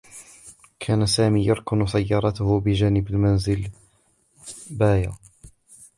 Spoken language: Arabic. كان سامي يركن سيّارته بجانب منزل باية.